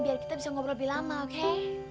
biar kita bisa ngobrol lebih lama oke